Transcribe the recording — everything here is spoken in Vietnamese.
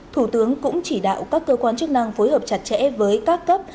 thủ tướng cũng chỉ đạo các cơ quan chức năng phối hợp chặt chẽ với các cấp